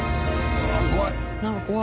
うわ怖い。